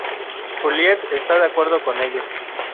Juliette está de acuerdo con ella.